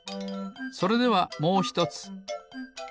それではもうひとつ。